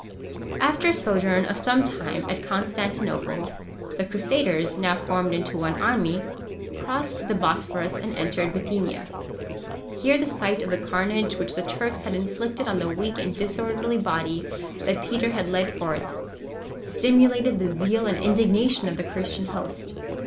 After a sojourn of some time at Constantinople, the Crusaders, now formed into one army, crossed the Bosphorus, and entered Bithynia. Here the sight of the carnage which the Turks had inflicted on the weak and disorderly body that Peter had led forth, stimulated the zeal and indignation of the Christian host.